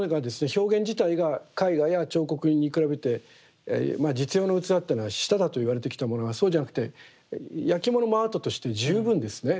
表現自体が絵画や彫刻に比べて実用の器っていうのは下だといわれてきたものがそうじゃなくてやきものもアートとして十分ですね